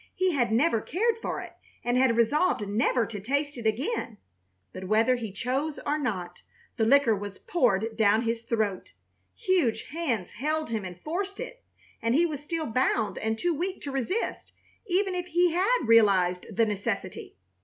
He had never cared for it, and had resolved never to taste it again. But whether he chose or not, the liquor was poured down his throat. Huge hands held him and forced it, and he was still bound and too weak to resist, even if he had realized the necessity.